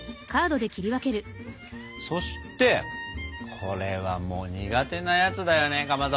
そしてこれはもう苦手なやつだよねかまど。